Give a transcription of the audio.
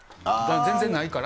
全然ないから。